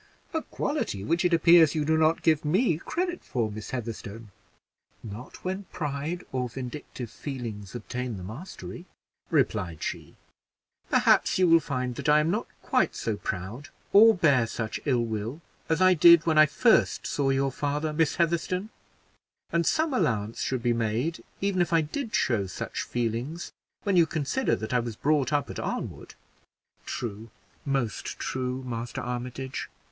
"A quality which it appears you do not give me credit for, Miss Heatherstone." "Not when pride or vindictive feelings obtain the mastery," replied she. "Perhaps you will find that I am not quite so proud, or bear such ill will, as I did when I first saw your father, Miss Heatherstone; and some allowance should be made, even if I did show such feelings, when you consider that I was brought up at Arnwood." "True most true, Master Armitage.